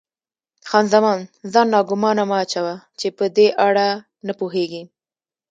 خان زمان: ځان ناګومانه مه اچوه، چې په دې اړه نه پوهېږې.